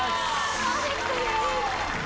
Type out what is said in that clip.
パーフェクトです。